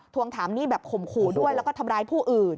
วงถามหนี้แบบข่มขู่ด้วยแล้วก็ทำร้ายผู้อื่น